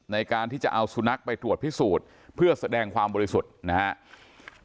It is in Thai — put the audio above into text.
ในการที่จะเอาสุนัขไปตรวจพิสูจน์เพื่อแสดงความบริสุทธิ์นะครับ